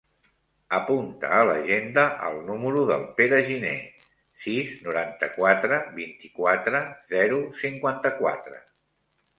Apunta a l'agenda el número del Pere Gine: sis, noranta-quatre, vint-i-quatre, zero, cinquanta-quatre.